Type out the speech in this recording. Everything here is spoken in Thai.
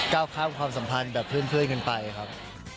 ก้าวข้ามความสัมพันธ์แบบเพื่อนกันไปครับ